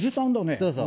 そうそう。